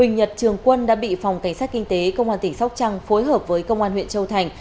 nhật trường quân đã bị phòng cảnh sát kinh tế công an tp hcm phối hợp với công an huyện châu thành